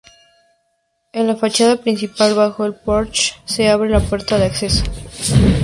En la fachada principal, bajo el porche, se abre la puerta de acceso.